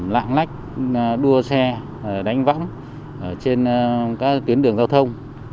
lạng lách đua xe đánh võng trên các tuyến đường giao thông